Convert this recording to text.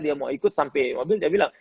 dia mau ikut sampai mobil dia bilang